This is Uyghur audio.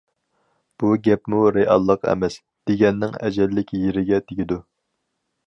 بۇ گەپمۇ‹‹ رېئاللىق ئەمەس›› دېگەننىڭ ئەجەللىك يېرىگە تېگىدۇ.